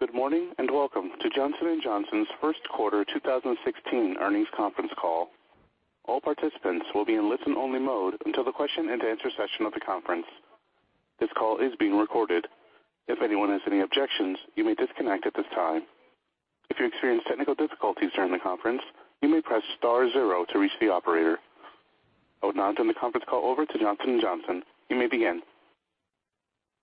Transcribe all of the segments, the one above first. Good morning, welcome to Johnson & Johnson's first quarter 2016 earnings conference call. All participants will be in listen-only mode until the question-and-answer session of the conference. This call is being recorded. If anyone has any objections, you may disconnect at this time. If you experience technical difficulties during the conference, you may press star zero to reach the operator. I would now turn the conference call over to Johnson & Johnson. You may begin.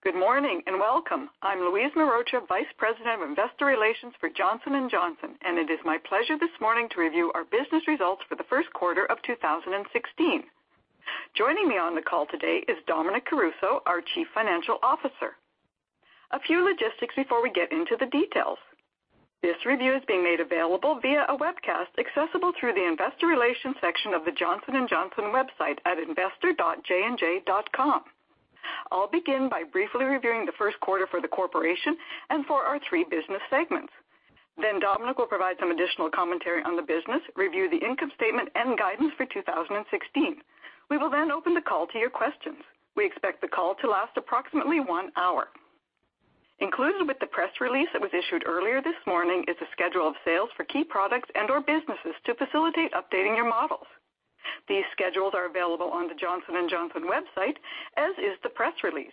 Good morning, welcome. I'm Louise Mehrotra, Vice President of Investor Relations for Johnson & Johnson, and it is my pleasure this morning to review our business results for the first quarter of 2016. Joining me on the call today is Dominic Caruso, our Chief Financial Officer. A few logistics before we get into the details. This review is being made available via a webcast accessible through the investor relations section of the Johnson & Johnson website at investor.jnj.com. I'll begin by briefly reviewing the first quarter for the corporation and for our three business segments. Dominic will provide some additional commentary on the business, review the income statement, and guidance for 2016. We will then open the call to your questions. We expect the call to last approximately one hour. Included with the press release that was issued earlier this morning is a schedule of sales for key products and/or businesses to facilitate updating your models. These schedules are available on the Johnson & Johnson website, as is the press release.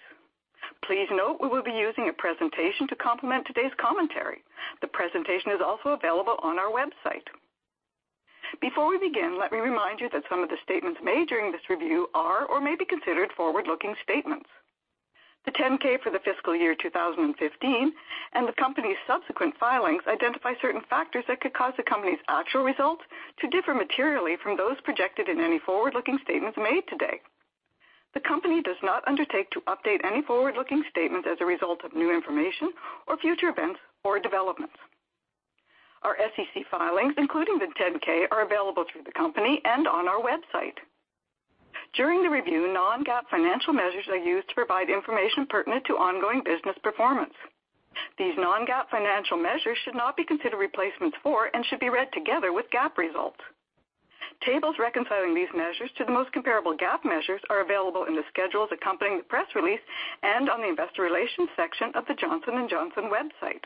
Please note we will be using a presentation to complement today's commentary. The presentation is also available on our website. Before we begin, let me remind you that some of the statements made during this review are or may be considered forward-looking statements. The 10-K for the fiscal year 2015 and the company's subsequent filings identify certain factors that could cause the company's actual results to differ materially from those projected in any forward-looking statements made today. The company does not undertake to update any forward-looking statements as a result of new information or future events or developments. Our SEC filings, including the 10-K, are available through the company and on our website. During the review, non-GAAP financial measures are used to provide information pertinent to ongoing business performance. These non-GAAP financial measures should not be considered replacements for and should be read together with GAAP results. Tables reconciling these measures to the most comparable GAAP measures are available in the schedules accompanying the press release and on the investor relations section of the Johnson & Johnson website.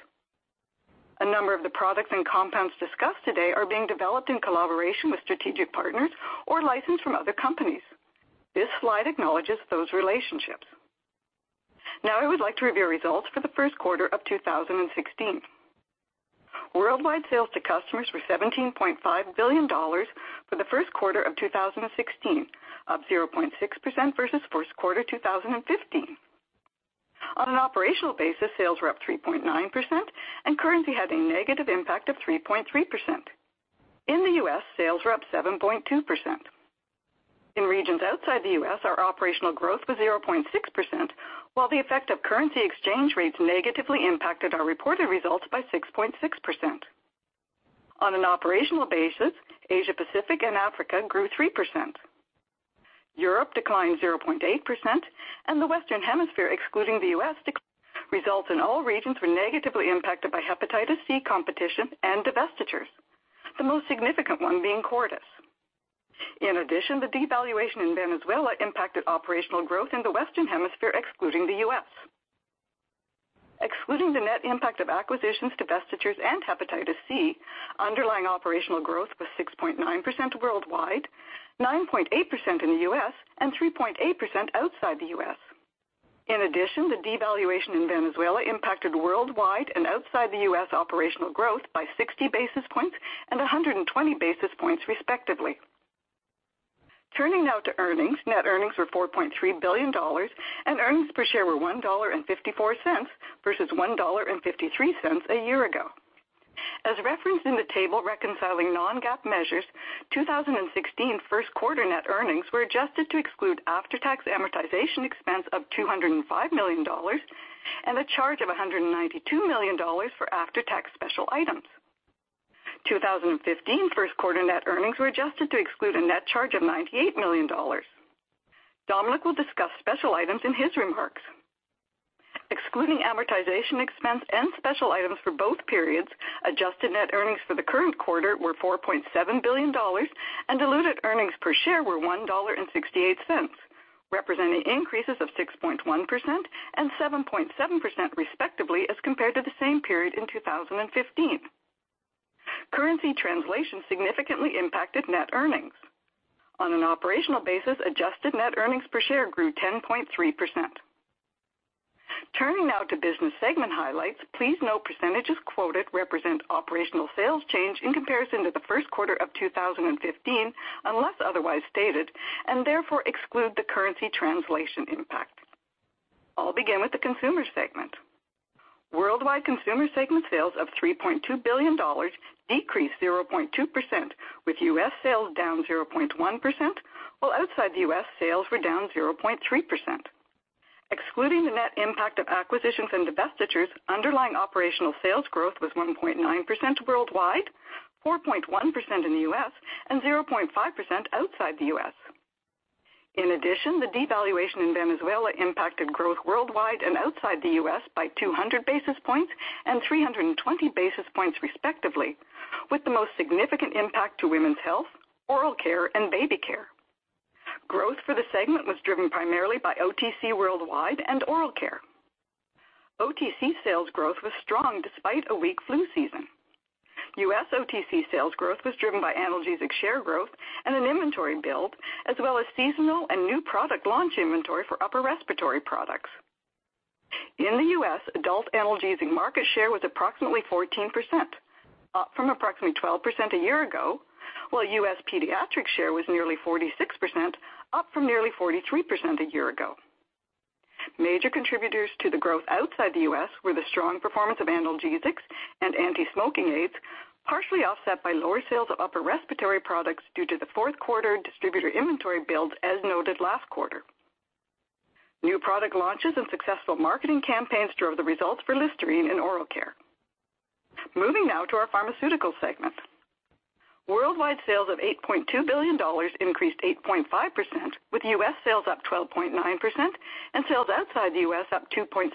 A number of the products and compounds discussed today are being developed in collaboration with strategic partners or licensed from other companies. This slide acknowledges those relationships. I would like to review results for the first quarter of 2016. Worldwide sales to customers were $17.5 billion for the first quarter of 2016, up 0.6% versus first quarter 2015. On an operational basis, sales were up 3.9% and currency had a negative impact of 3.3%. In the U.S., sales were up 7.2%. In regions outside the U.S., our operational growth was 0.6% while the effect of currency exchange rates negatively impacted our reported results by 6.6%. On an operational basis, Asia Pacific and Africa grew 3%. Europe declined 0.8% and the Western Hemisphere, excluding the U.S., declined. Results in all regions were negatively impacted by Hep C competition and divestitures. The most significant one being Cordis. The devaluation in Venezuela impacted operational growth in the Western Hemisphere, excluding the U.S. Excluding the net impact of acquisitions, divestitures, and Hep C, underlying operational growth was 6.9% worldwide, 9.8% in the U.S., and 3.8% outside the U.S. The devaluation in Venezuela impacted worldwide and outside-the-U.S. operational growth by 60 basis points and 120 basis points respectively. Turning now to earnings. Net earnings were $4.3 billion and earnings per share were $1.54 versus $1.53 a year ago. As referenced in the table reconciling non-GAAP measures, 2016 first quarter net earnings were adjusted to exclude after-tax amortization expense of $205 million and a charge of $192 million for after-tax special items. 2015 first quarter net earnings were adjusted to exclude a net charge of $98 million. Dominic will discuss special items in his remarks. Excluding amortization expense and special items for both periods, adjusted net earnings for the current quarter were $4.7 billion and diluted earnings per share were $1.68, representing increases of 6.1% and 7.7% respectively as compared to the same period in 2015. Currency translation significantly impacted net earnings. On an operational basis, adjusted net earnings per share grew 10.3%. Turning now to business segment highlights. Please note percentages quoted represent operational sales change in comparison to the first quarter of 2015, unless otherwise stated, and therefore exclude the currency translation impact. I'll begin with the consumer segment. Worldwide consumer segment sales of $3.2 billion decreased 0.2%, with U.S. sales down 0.1% while outside the U.S. sales were down 0.3%. Excluding the net impact of acquisitions and divestitures, underlying operational sales growth was 1.9% worldwide, 4.1% in the U.S., and 0.5% outside the U.S. The devaluation in Venezuela impacted growth worldwide and outside the U.S. by 200 basis points and 320 basis points respectively, with the most significant impact to women's health, oral care, and baby care. Growth for the segment was driven primarily by OTC worldwide and oral care. OTC sales growth was strong despite a weak flu season. U.S. OTC sales growth was driven by analgesic share growth and an inventory build, as well as seasonal and new product launch inventory for upper respiratory products. In the U.S., adult analgesic market share was approximately 14%, up from approximately 12% a year ago, while U.S. pediatric share was nearly 46%, up from nearly 43% a year ago. Major contributors to the growth outside the U.S. were the strong performance of analgesics and anti-smoking aids, partially offset by lower sales of upper respiratory products due to the fourth quarter distributor inventory build, as noted last quarter. New product launches and successful marketing campaigns drove the results for Listerine and oral care. Moving now to our pharmaceutical segment. Worldwide sales of $8.2 billion increased 8.5%, with U.S. sales up 12.9% and sales outside the U.S. up 2.6%,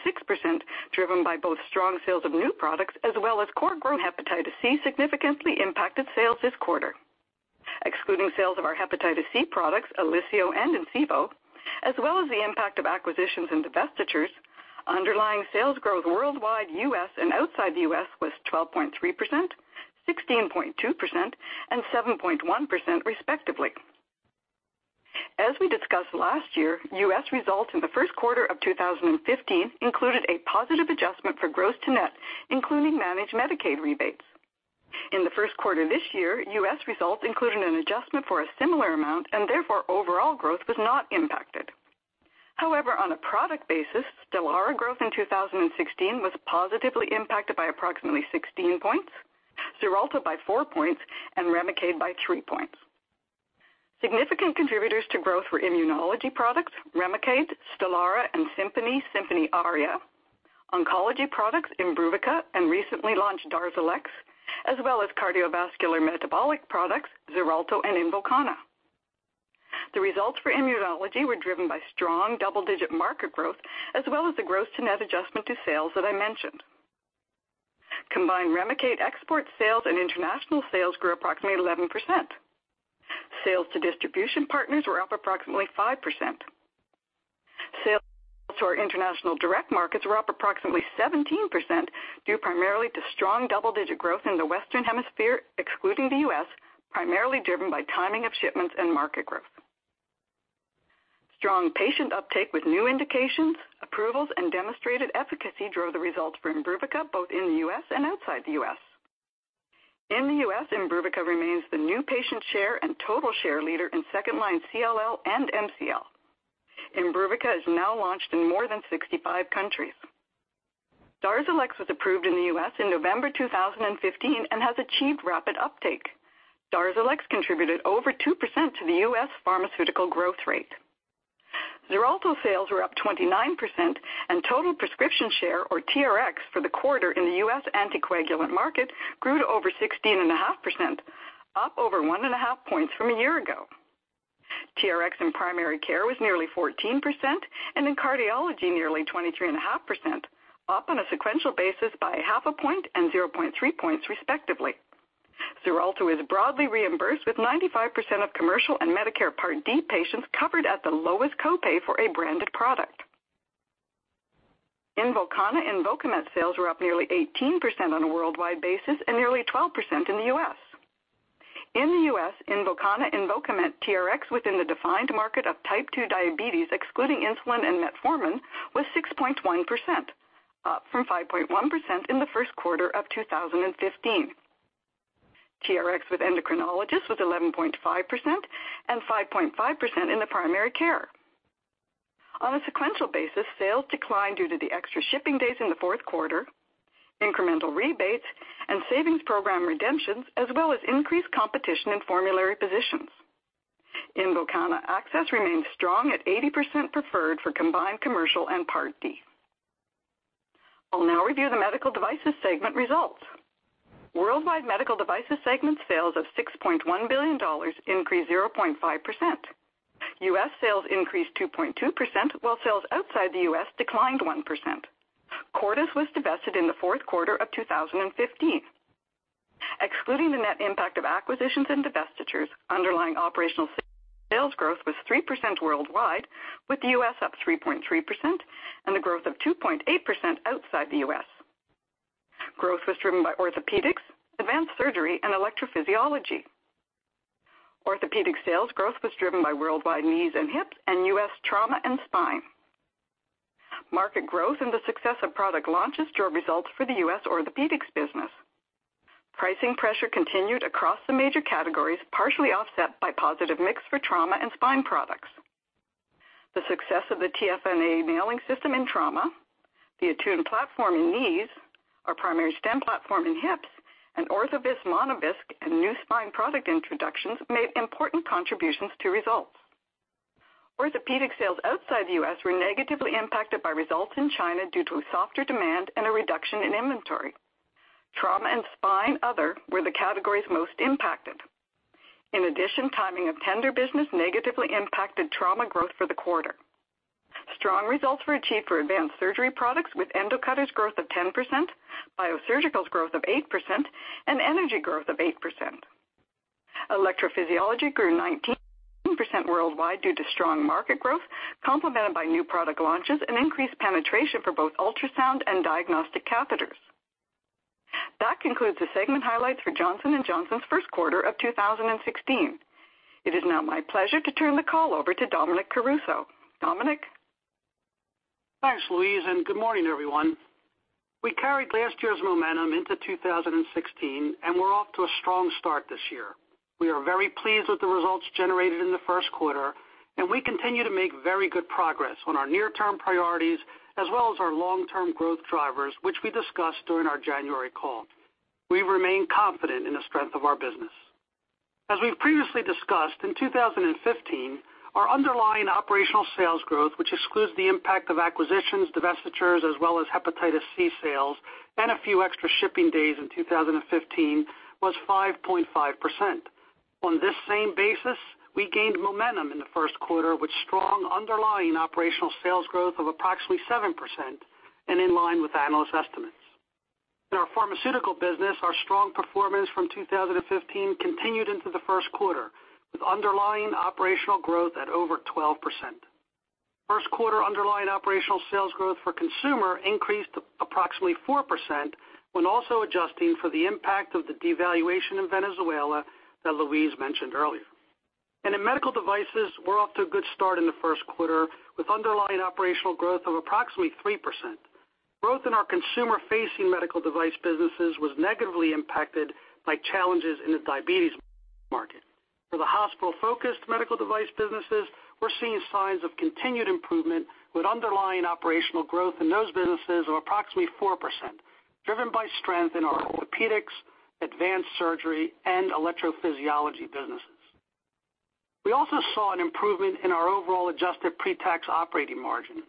driven by both strong sales of new products as well as core growth. Hepatitis C significantly impacted sales this quarter. Excluding sales of our hepatitis C products, OLYSIO and INCIVO, as well as the impact of acquisitions and divestitures, underlying sales growth worldwide, U.S. and outside the U.S. was 12.3%, 16.2% and 7.1% respectively. As we discussed last year, U.S. results in the first quarter of 2015 included a positive adjustment for gross to net, including Managed Medicaid rebates. In the first quarter this year, U.S. results included an adjustment for a similar amount. Therefore, overall growth was not impacted. However, on a product basis, STELARA growth in 2016 was positively impacted by approximately 16 points, XARELTO by four points, and REMICADE by three points. Significant contributors to growth were immunology products, REMICADE, STELARA, and SIMPONI/SIMPONI ARIA. Oncology products IMBRUVICA, and recently launched DARZALEX, as well as cardiovascular metabolic products, XARELTO and INVOKANA. The results for immunology were driven by strong double-digit market growth, as well as the gross to net adjustment to sales that I mentioned. Combined REMICADE export sales and international sales grew approximately 11%. Sales to distribution partners were up approximately 5%. Sales to our international direct markets were up approximately 17%, due primarily to strong double-digit growth in the Western Hemisphere, excluding the U.S., primarily driven by timing of shipments and market growth. Strong patient uptake with new indications, approvals, and demonstrated efficacy drove the results for IMBRUVICA, both in the U.S. and outside the U.S. In the U.S., IMBRUVICA remains the new patient share and total share leader in second-line CLL and MCL. IMBRUVICA is now launched in more than 65 countries. DARZALEX was approved in the U.S. in November 2015 and has achieved rapid uptake. DARZALEX contributed over 2% to the U.S. pharmaceutical growth rate. XARELTO sales were up 29%. Total prescription share, or TRX, for the quarter in the U.S. anticoagulant market grew to over 16.5%, up over one and a half points from a year ago. TRX in primary care was nearly 14%. In cardiology, nearly 23.5%, up on a sequential basis by half a point and 0.3 points respectively. XARELTO is broadly reimbursed, with 95% of commercial and Medicare Part D patients covered at the lowest copay for a branded product. INVOKANA/INVOKAMET sales were up nearly 18% on a worldwide basis and nearly 12% in the U.S. In the U.S., INVOKANA/INVOKAMET TRX within the defined market of type 2 diabetes, excluding insulin and metformin, was 6.1%, up from 5.1% in the first quarter of 2015. TRX with endocrinologists was 11.5%. 5.5% in the primary care. On a sequential basis, sales declined due to the extra shipping days in the fourth quarter, incremental rebates and savings program redemptions, as well as increased competition in formulary positions. INVOKANA access remains strong at 80% preferred for combined commercial and Part D. I'll now review the medical devices segment results. Worldwide medical devices segment sales of $6.1 billion increased 0.5%. U.S. sales increased 2.2%, while sales outside the U.S. declined 1%. Cordis was divested in the fourth quarter of 2015. Excluding the net impact of acquisitions and divestitures, underlying operational sales growth was 3% worldwide, with the U.S. up 3.3%. The growth of 2.8% outside the U.S. Growth was driven by orthopedics, advanced surgery, and electrophysiology. Orthopedic sales growth was driven by worldwide knees and hips and U.S. trauma and spine. Market growth and the success of product launches drove results for the U.S. orthopedics business. Pricing pressure continued across the major categories, partially offset by positive mix for trauma and spine products. The success of the TFNA nailing system in trauma, the ATTUNE platform in knees, our Primary Stem platform in hips, and ORTHOVISC/MONOVISC and new spine product introductions made important contributions to results. Orthopedic sales outside the U.S. were negatively impacted by results in China due to softer demand and a reduction in inventory. Trauma and spine other were the categories most impacted. Timing of tender business negatively impacted trauma growth for the quarter. Strong results were achieved for advanced surgery products with Endocutters growth of 10%, Biosurgical's growth of 8%, and Energy growth of 8%. Electrophysiology grew 19% worldwide due to strong market growth, complemented by new product launches and increased penetration for both ultrasound and diagnostic catheters. That concludes the segment highlights for Johnson & Johnson's first quarter of 2016. It is now my pleasure to turn the call over to Dominic Caruso. Dominic? Thanks, Louise, good morning, everyone. We carried last year's momentum into 2016, we're off to a strong start this year. We are very pleased with the results generated in the first quarter, we continue to make very good progress on our near-term priorities, as well as our long-term growth drivers, which we discussed during our January call. We remain confident in the strength of our business. As we've previously discussed, in 2015, our underlying operational sales growth, which excludes the impact of acquisitions, divestitures, as well as Hep C sales, a few extra shipping days in 2015, was 5.5%. On this same basis, we gained momentum in the first quarter with strong underlying operational sales growth of approximately 7% in line with analyst estimates. In our pharmaceutical business, our strong performance from 2015 continued into the first quarter, with underlying operational growth at over 12%. First quarter underlying operational sales growth for consumer increased approximately 4% when also adjusting for the impact of the devaluation in Venezuela that Louise mentioned earlier. In medical devices, we're off to a good start in the first quarter, with underlying operational growth of approximately 3%. Growth in our consumer-facing medical device businesses was negatively impacted by challenges in the diabetes market. For the hospital-focused medical device businesses, we're seeing signs of continued improvement with underlying operational growth in those businesses of approximately 4%, driven by strength in our orthopedics, advanced surgery, and electrophysiology businesses. We also saw an improvement in our overall adjusted pre-tax operating margin.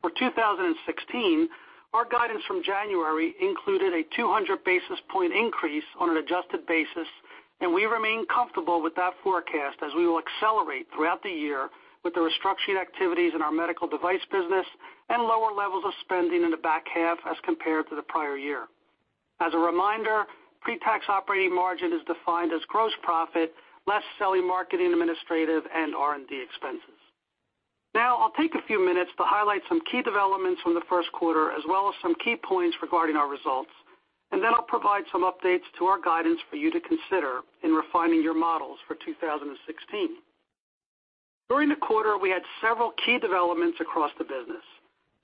For 2016, our guidance from January included a 200 basis point increase on an adjusted basis, we remain comfortable with that forecast as we will accelerate throughout the year with the restructuring activities in our medical device business and lower levels of spending in the back half as compared to the prior year. As a reminder, pre-tax operating margin is defined as gross profit, less selling, marketing, administrative, and R&D expenses. Now, I'll take a few minutes to highlight some key developments from the first quarter, as well as some key points regarding our results, I'll provide some updates to our guidance for you to consider in refining your models for 2016. During the quarter, we had several key developments across the business.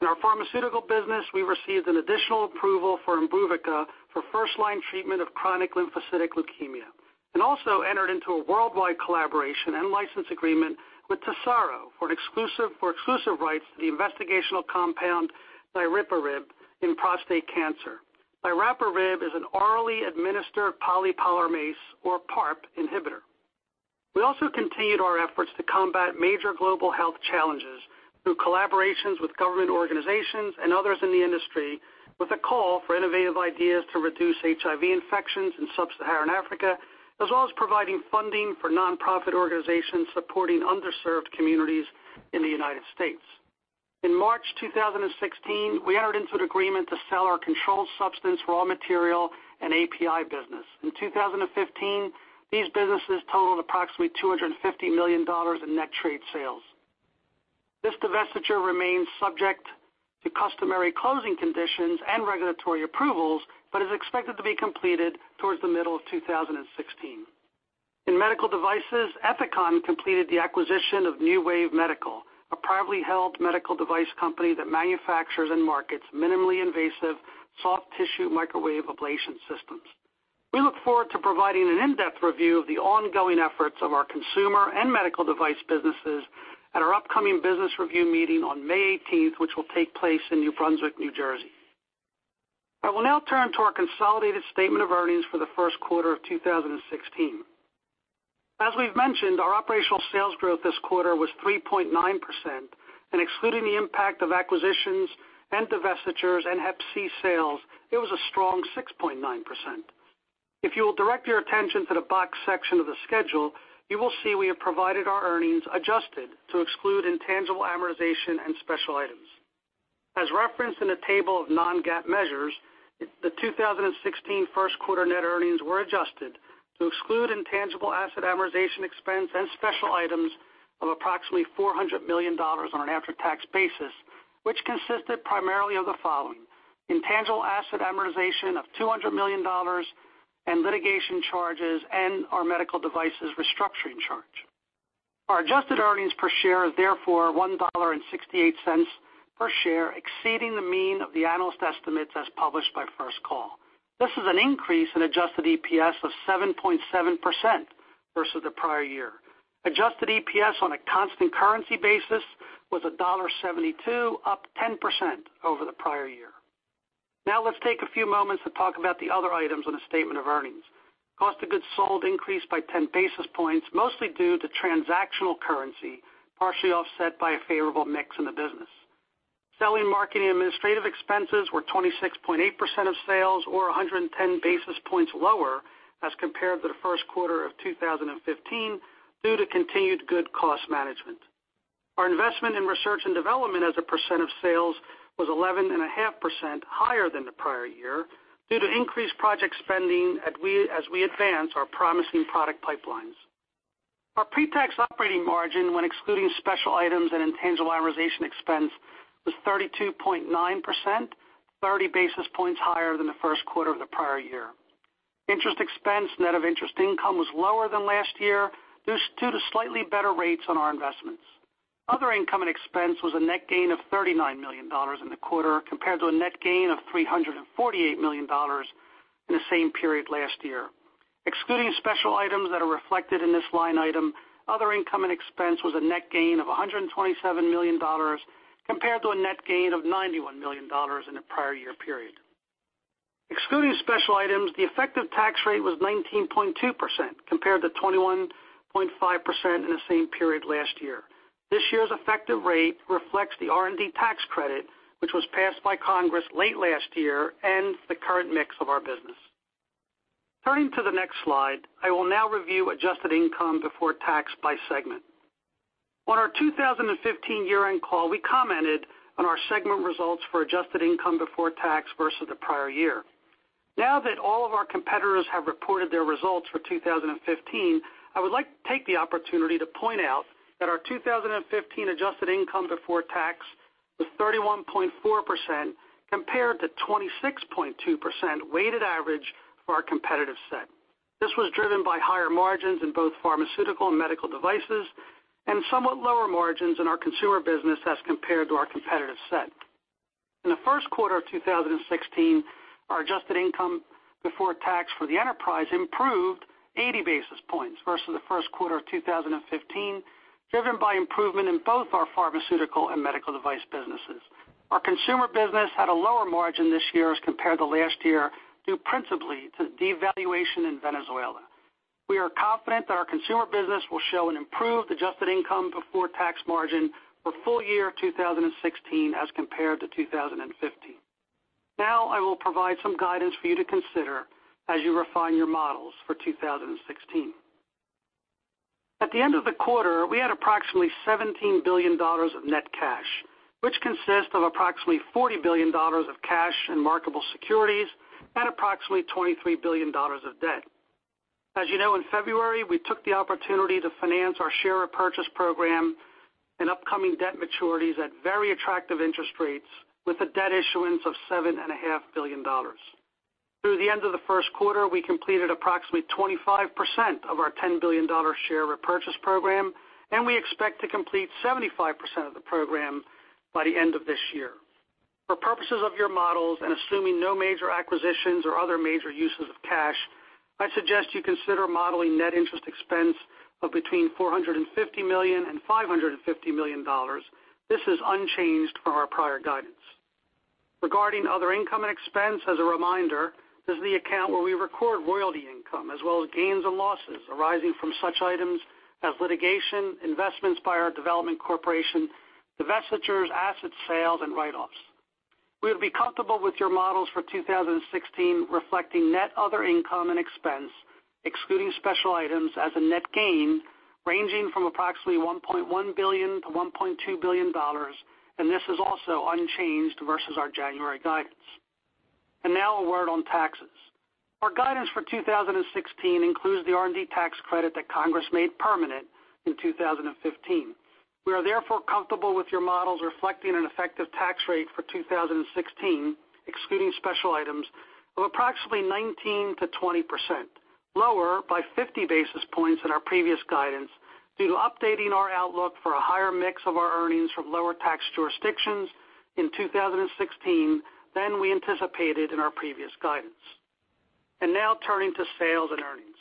In our pharmaceutical business, we received an additional approval for IMBRUVICA for first-line treatment of chronic lymphocytic leukemia, and also entered into a worldwide collaboration and license agreement with TESARO for exclusive rights to the investigational compound, niraparib, in prostate cancer. Niraparib is an orally administered poly polymerase, or PARP inhibitor. We also continued our efforts to combat major global health challenges through collaborations with government organizations and others in the industry with a call for innovative ideas to reduce HIV infections in sub-Saharan Africa, as well as providing funding for nonprofit organizations supporting underserved communities in the United States. In March 2016, we entered into an agreement to sell our controlled substance raw material and API business. In 2015, these businesses totaled approximately $250 million in net trade sales. This divestiture remains subject to customary closing conditions and regulatory approvals, is expected to be completed towards the middle of 2016. In medical devices, Ethicon completed the acquisition of NeuWave Medical, a privately held medical device company that manufactures and markets minimally invasive soft tissue microwave ablation systems. We look forward to providing an in-depth review of the ongoing efforts of our consumer and medical device businesses at our upcoming business review meeting on May 18th, which will take place in New Brunswick, New Jersey. I will now turn to our consolidated statement of earnings for the first quarter of 2016. As we've mentioned, our operational sales growth this quarter was 3.9%, and excluding the impact of acquisitions and divestitures in Hep C sales, it was a strong 6.9%. If you will direct your attention to the boxed section of the schedule, you will see we have provided our earnings adjusted to exclude intangible amortization and special items. As referenced in the table of non-GAAP measures, the 2016 first quarter net earnings were adjusted to exclude intangible asset amortization expense and special items of approximately $400 million on an after-tax basis, which consisted primarily of the following: intangible asset amortization of $200 million in litigation charges and our medical devices restructuring charge. Our adjusted earnings per share is therefore $1.68 per share, exceeding the mean of the analyst estimates as published by First Call. This is an increase in adjusted EPS of 7.7% versus the prior year. Adjusted EPS on a constant currency basis was $1.72, up 10% over the prior year. Now let's take a few moments to talk about the other items on the statement of earnings. Cost of goods sold increased by 10 basis points, mostly due to transactional currency, partially offset by a favorable mix in the business. Selling, marketing, and administrative expenses were 26.8% of sales or 110 basis points lower as compared to the first quarter of 2015 due to continued good cost management. Our investment in research and development as a percent of sales was 11.5% higher than the prior year due to increased project spending as we advance our promising product pipelines. Our pre-tax operating margin when excluding special items and intangible amortization expense was 32.9%, 30 basis points higher than the first quarter of the prior year. Interest expense, net of interest income was lower than last year due to slightly better rates on our investments. Other income and expense was a net gain of $39 million in the quarter compared to a net gain of $348 million in the same period last year. Excluding special items that are reflected in this line item, other income and expense was a net gain of $127 million compared to a net gain of $91 million in the prior year period. Excluding special items, the effective tax rate was 19.2% compared to 21.5% in the same period last year. This year's effective rate reflects the R&D tax credit, which was passed by Congress late last year and the current mix of our business. Turning to the next slide, I will now review adjusted income before tax by segment. On our 2015 year-end call, we commented on our segment results for adjusted income before tax versus the prior year. That all of our competitors have reported their results for 2015, I would like to take the opportunity to point out that our 2015 adjusted income before tax was 31.4% compared to 26.2% weighted average for our competitive set. This was driven by higher margins in both pharmaceutical and medical devices, somewhat lower margins in our consumer business as compared to our competitive set. In the first quarter of 2016, our adjusted income before tax for the enterprise improved 80 basis points versus the first quarter of 2015, driven by improvement in both our pharmaceutical and medical device businesses. Our consumer business had a lower margin this year as compared to last year, due principally to devaluation in Venezuela. We are confident that our consumer business will show an improved adjusted income before tax margin for full year 2016 as compared to 2015. I will provide some guidance for you to consider as you refine your models for 2016. At the end of the quarter, we had approximately $17 billion of net cash, which consists of approximately $40 billion of cash and marketable securities and approximately $23 billion of debt. You know, in February, we took the opportunity to finance our share repurchase program and upcoming debt maturities at very attractive interest rates with a debt issuance of $7.5 billion. Through the end of the first quarter, we completed approximately 25% of our $10 billion share repurchase program, we expect to complete 75% of the program by the end of this year. For purposes of your models and assuming no major acquisitions or other major uses of cash, I'd suggest you consider modeling net interest expense of between $450 million and $550 million. This is unchanged from our prior guidance. Regarding other income and expense, as a reminder, this is the account where we record royalty income as well as gains and losses arising from such items as litigation, investments by our development corporation, divestitures, asset sales, and write-offs. We would be comfortable with your models for 2016 reflecting net other income and expense, excluding special items as a net gain ranging from approximately $1.1 billion-$1.2 billion, this is also unchanged versus our January guidance. Now a word on taxes. Our guidance for 2016 includes the R&D tax credit that Congress made permanent in 2015. We are therefore comfortable with your models reflecting an effective tax rate for 2016, excluding special items, of approximately 19%-20%, lower by 50 basis points than our previous guidance due to updating our outlook for a higher mix of our earnings from lower tax jurisdictions in 2016 than we anticipated in our previous guidance. Now turning to sales and earnings.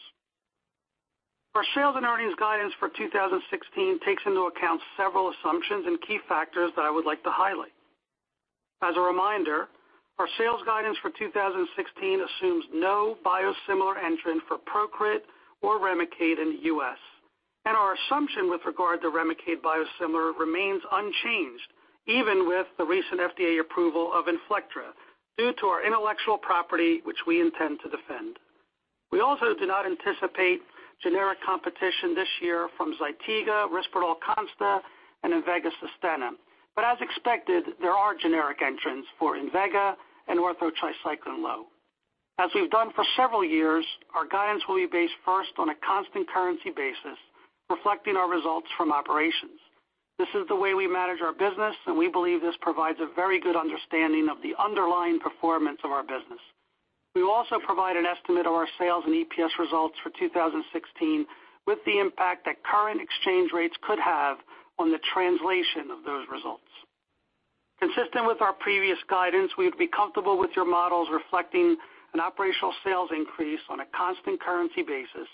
Our sales and earnings guidance for 2016 takes into account several assumptions and key factors that I would like to highlight. As a reminder, our sales guidance for 2016 assumes no biosimilar entrant for PROCRIT or REMICADE in the U.S. Our assumption with regard to REMICADE biosimilar remains unchanged even with the recent FDA approval of INFLECTRA due to our intellectual property, which we intend to defend. We also do not anticipate generic competition this year from ZYTIGA, RISPERDAL CONSTA, and INVEGA SUSTENNA. As expected, there are generic entrants for INVEGA and Ortho Tri-Cyclen Lo. As we've done for several years, our guidance will be based first on a constant currency basis, reflecting our results from operations. This is the way we manage our business, and we believe this provides a very good understanding of the underlying performance of our business. We will also provide an estimate of our sales and EPS results for 2016 with the impact that current exchange rates could have on the translation of those results. Consistent with our previous guidance, we would be comfortable with your models reflecting an operational sales increase on a constant currency basis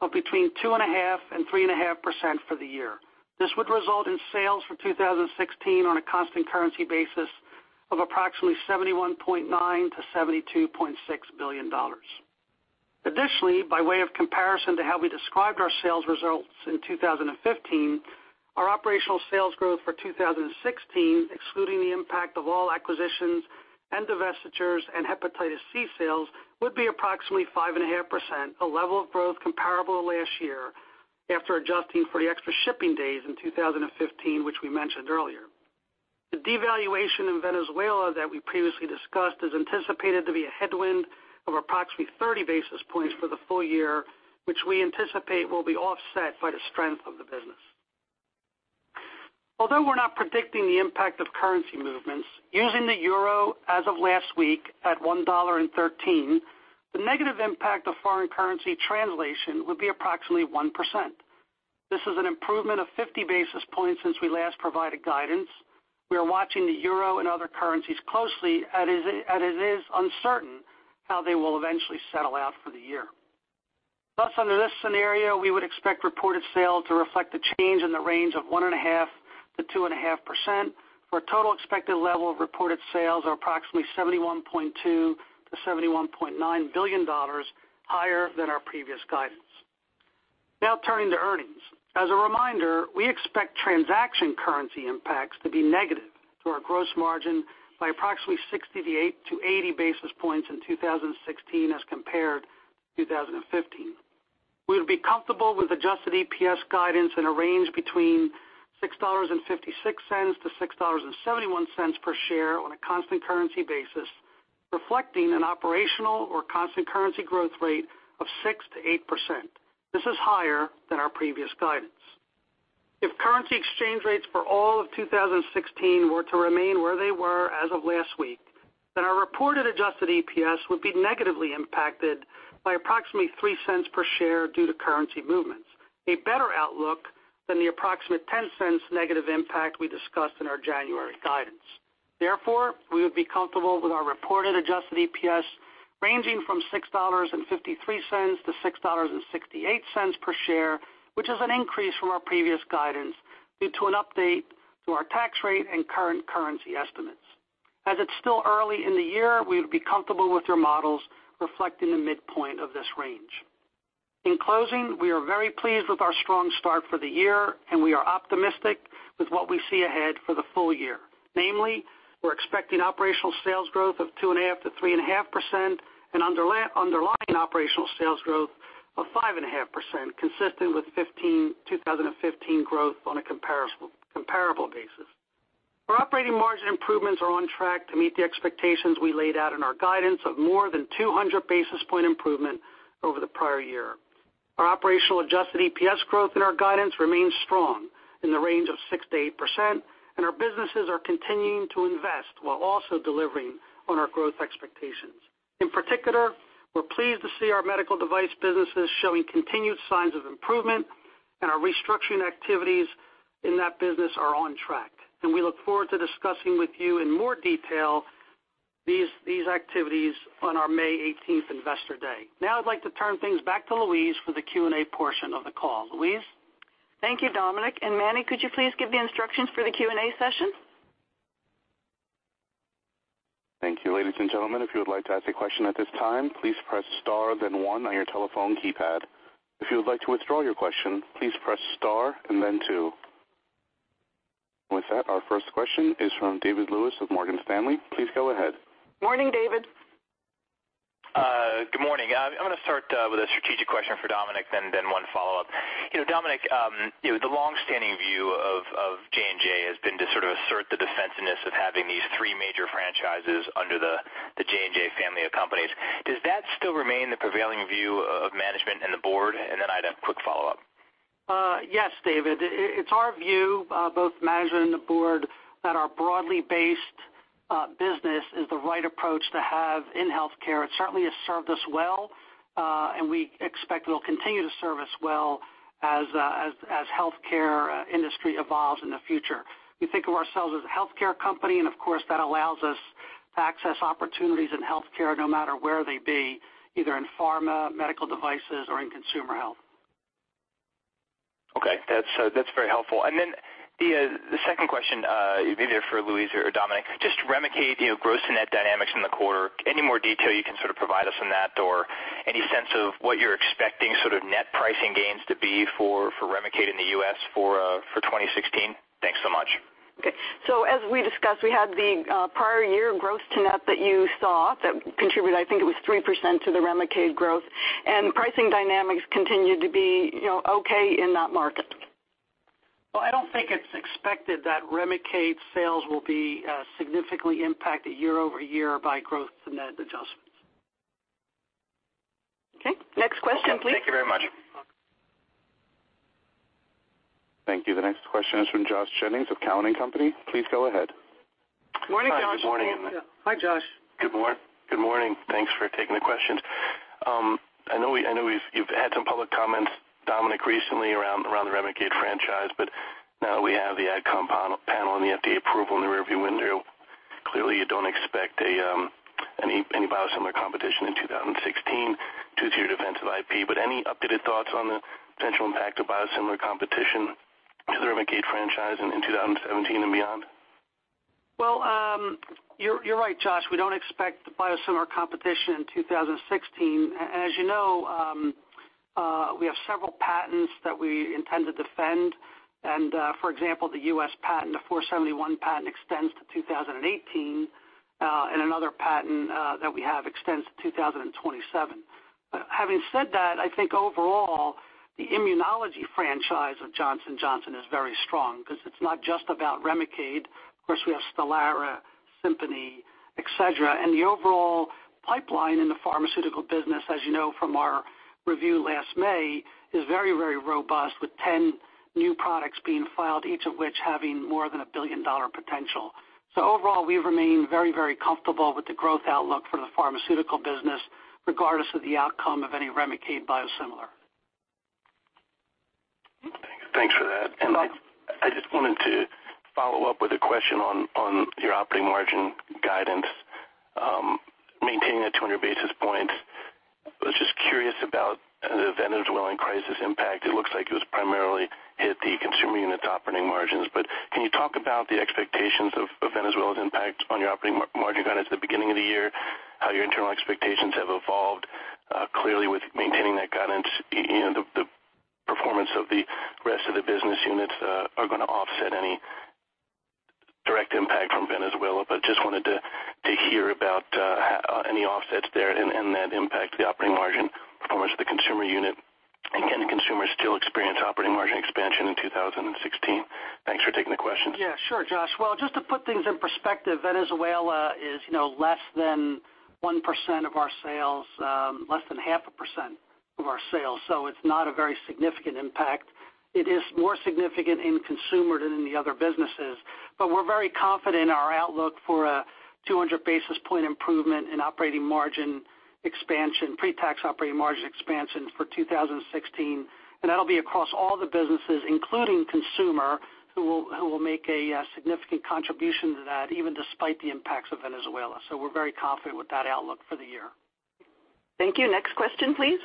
of between 2.5%-3.5% for the year. This would result in sales for 2016 on a constant currency basis of approximately $71.9 billion-$72.6 billion. Additionally, by way of comparison to how we described our sales results in 2015, our operational sales growth for 2016, excluding the impact of all acquisitions and divestitures and hepatitis C sales, would be approximately 5.5%, a level of growth comparable to last year after adjusting for the extra shipping days in 2015, which we mentioned earlier. The devaluation in Venezuela that we previously discussed is anticipated to be a headwind of approximately 30 basis points for the full year, which we anticipate will be offset by the strength of the business. Although we're not predicting the impact of currency movements, using the euro as of last week at $1.13, the negative impact of foreign currency translation would be approximately 1%. This is an improvement of 50 basis points since we last provided guidance. We are watching the euro and other currencies closely as it is uncertain how they will eventually settle out for the year. Under this scenario, we would expect reported sales to reflect a change in the range of 1.5%-2.5% for a total expected level of reported sales of approximately $71.2 billion-$71.9 billion, higher than our previous guidance. Now turning to earnings. As a reminder, we expect transaction currency impacts to be negative to our gross margin by approximately 60 to 80 basis points in 2016 as compared to 2015. We would be comfortable with adjusted EPS guidance in a range between $6.56 to $6.71 per share on a constant currency basis, reflecting an operational or constant currency growth rate of 6%-8%. This is higher than our previous guidance. If currency exchange rates for all of 2016 were to remain where they were as of last week, our reported adjusted EPS would be negatively impacted by approximately $0.03 per share due to currency movements, a better outlook than the approximate $0.10 negative impact we discussed in our January guidance. We would be comfortable with our reported adjusted EPS ranging from $6.53 to $6.68 per share, which is an increase from our previous guidance due to an update to our tax rate and current currency estimates. As it's still early in the year, we would be comfortable with your models reflecting the midpoint of this range. In closing, we are very pleased with our strong start for the year, and we are optimistic with what we see ahead for the full year. Namely, we're expecting operational sales growth of 2.5%-3.5% and underlying operational sales growth of 5.5%, consistent with 2015 growth on a comparable basis. Our operating margin improvements are on track to meet the expectations we laid out in our guidance of more than 200 basis point improvement over the prior year. Our operational adjusted EPS growth in our guidance remains strong in the range of 6%-8%, and our businesses are continuing to invest while also delivering on our growth expectations. In particular, we're pleased to see our medical device businesses showing continued signs of improvement and our restructuring activities in that business are on track. We look forward to discussing with you in more detail these activities on our May 18th investor day. Now I'd like to turn things back to Louise for the Q&A portion of the call. Louise? Thank you, Dominic. Manny, could you please give the instructions for the Q&A session? Thank you. Ladies and gentlemen, if you would like to ask a question at this time, please press star then one on your telephone keypad. If you would like to withdraw your question, please press star and then two. With that, our first question is from David Lewis of Morgan Stanley. Please go ahead. Morning, David. Good morning. I'm going to start with a strategic question for Dominic, then one follow-up. Dominic, the longstanding view of J&J has been to sort of assert the defensiveness of having these three major franchises under the J&J family of companies. Does that still remain the prevailing view of management and the board? Then I'd have quick follow-up. Yes, David. It's our view, both management and the board, that our broadly based business is the right approach to have in healthcare. We expect it'll continue to serve us well as healthcare industry evolves in the future. We think of ourselves as a healthcare company. Of course, that allows us to access opportunities in healthcare no matter where they be, either in pharma, medical devices, or in consumer health. Okay. That's very helpful. The second question, either for Louise or Dominic. Just REMICADE gross to net dynamics in the quarter. Any more detail you can sort of provide us on that? Any sense of what you're expecting sort of net pricing gains to be for REMICADE in the U.S. for 2016? Thanks so much. Okay. As we discussed, we had the prior year gross to net that you saw that contributed, I think it was 3% to the REMICADE growth, and pricing dynamics continued to be okay in that market. Well, I don't think it's expected that REMICADE sales will be significantly impacted year-over-year by gross to net adjustments. Okay, next question, please. Thank you very much. You're welcome. Thank you. The next question is from Josh Jennings of Cowen and Company. Please go ahead. Morning, Josh. Hi, good morning. Hi, Josh. Good morning. Thanks for taking the questions. I know you've had some public comments, Dominic, recently around the REMICADE franchise, now that we have the Adcom panel and the FDA approval in the rear view window. Clearly, you don't expect any biosimilar competition in 2016 due to your defensive IP, any updated thoughts on the potential impact of biosimilar competition to the REMICADE franchise in 2017 and beyond? Well, you're right, Josh. We don't expect the biosimilar competition in 2016. As you know, we have several patents that we intend to defend. For example, the U.S. Patent, the '471 patent extends to 2018, another patent that we have extends to 2027. Having said that, I think overall, the immunology franchise of Johnson & Johnson is very strong because it's not just about REMICADE. Of course, we have STELARA, SIMPONI, et cetera. The overall pipeline in the pharmaceutical business, as you know from our review last May, is very, very robust with 10 new products being filed, each of which having more than a billion-dollar potential. Overall, we remain very, very comfortable with the growth outlook for the pharmaceutical business, regardless of the outcome of any REMICADE biosimilar. Thanks for that. You're welcome. I just wanted to follow up with a question on your operating margin guidance, maintaining at 200 basis points. I was just curious about the Venezuela crisis impact. It looks like it was primarily hit the consumer unit operating margins. Can you talk about the expectations of Venezuela's impact on your operating margin guidance at the beginning of the year, how your internal expectations have evolved? Clearly, with maintaining that guidance, the performance of the rest of the business units are going to offset any direct impact from Venezuela. Just wanted to hear about any offsets there and that impact to the operating margin performance of the consumer unit. Can consumers still experience operating margin expansion in 2016? Thanks for taking the questions. Sure, Josh. Just to put things in perspective, Venezuela is less than 1% of our sales, less than half a percent of our sales. It's not a very significant impact. It is more significant in consumer than in the other businesses, we're very confident in our outlook for a 200 basis point improvement in operating margin expansion, pre-tax operating margin expansion for 2016. That'll be across all the businesses, including consumer, who will make a significant contribution to that, even despite the impacts of Venezuela. We're very confident with that outlook for the year. Thank you. Next question, please.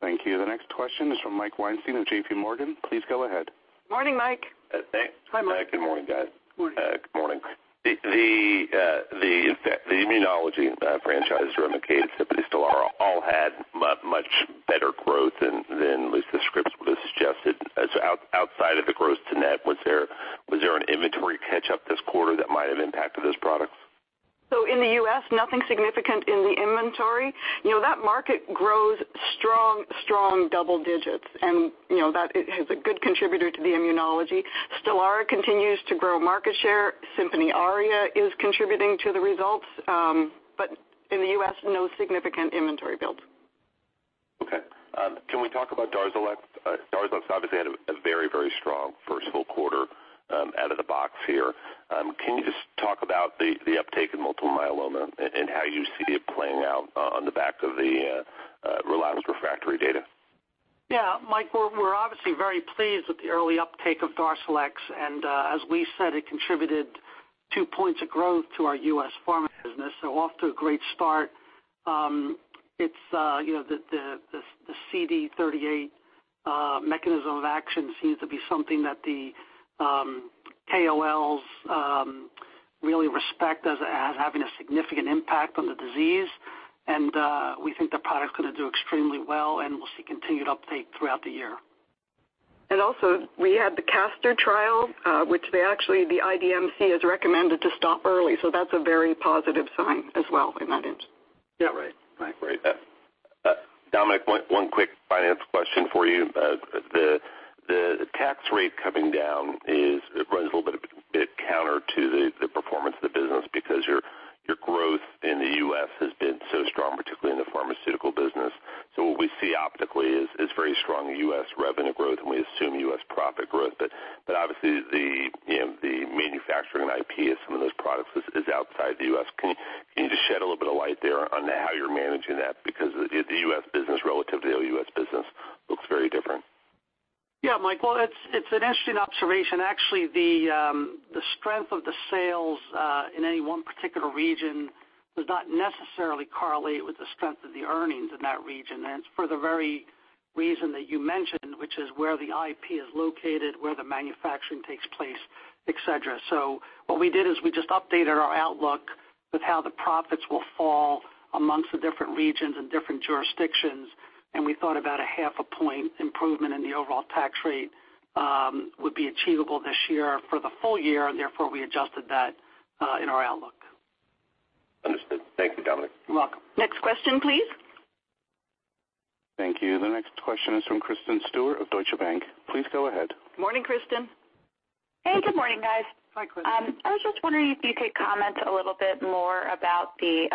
Thank you. The next question is from Mike Weinstein of JPMorgan. Please go ahead. Morning, Mike. Hi, Mike. Hi, Mike. Good morning, guys. Morning. Good morning. The immunology franchise, REMICADE, SIMPONI, STELARA, all had much better growth than at least the scripts would have suggested. Outside of the gross to net, was there an inventory catch-up this quarter that might have impacted those products? In the U.S., nothing significant in the inventory. That market grows strong double digits, and that is a good contributor to the immunology. STELARA continues to grow market share. SIMPONI ARIA is contributing to the results. In the U.S., no significant inventory build. Okay. Can we talk about DARZALEX? DARZALEX obviously had a very, very strong first full quarter out of the box here. Can you just talk about the uptake in multiple myeloma and how you see it playing out on the back of the relapsed/refractory data? Yeah, Mike, we're obviously very pleased with the early uptake of DARZALEX. As we said, it contributed two points of growth to our U.S. pharma business, so off to a great start. The CD38 mechanism of action seems to be something that the KOLs really respect as having a significant impact on the disease. We think the product's going to do extremely well, and we'll see continued uptake throughout the year. Also, we had the CASTOR trial, which they actually, the IDMC, has recommended to stop early. That's a very positive sign as well in that instance. Yeah, right. Right. Now, Mike, one quick finance question for you. The tax rate coming down runs a little bit counter to the performance of the business because your growth in the U.S. has been so strong, particularly in the pharmaceutical business. What we see optically is very strong U.S. revenue growth, and we assume U.S. profit growth. But obviously, the manufacturing IP of some of those products is outside the U.S. Can you just shed a little bit of light there on how you're managing that? Because the U.S. business relative to the OUS business looks very different. Yeah, Mike. Well, it's an interesting observation. Actually, the strength of the sales in any one particular region does not necessarily correlate with the strength of the earnings in that region. It's for the very reason that you mentioned, which is where the IP is located, where the manufacturing takes place, et cetera. What we did is we just updated our outlook with how the profits will fall amongst the different regions and different jurisdictions, and we thought about a half a point improvement in the overall tax rate would be achievable this year for the full year, and therefore, we adjusted that in our outlook. Understood. Thank you, Dominic. You're welcome. Next question, please. Thank you. The next question is from Kristen Stewart of Deutsche Bank. Please go ahead. Morning, Kristen. Hey, good morning, guys. Hi, Kristen. I was just wondering if you could comment a little bit more about the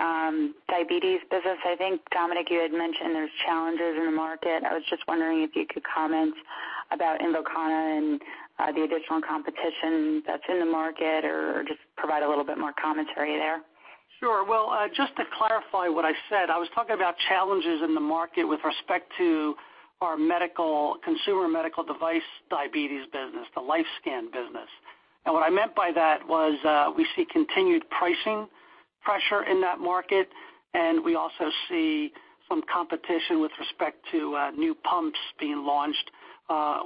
diabetes business. I think, Dominic, you had mentioned there's challenges in the market. I was just wondering if you could comment about INVOKANA and the additional competition that's in the market or just provide a little bit more commentary there. Sure. Well, just to clarify what I said, I was talking about challenges in the market with respect to our consumer medical device diabetes business, the LifeScan business. What I meant by that was we see continued pricing pressure in that market, and we also see some competition with respect to new pumps being launched.